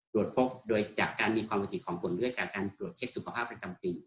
ตรวจพบโดยจากการมีความผิดของผลเลือดจากการตรวจเช็คสุขภาพประจำปี